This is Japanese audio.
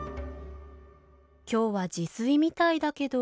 今日は自炊みたいだけど。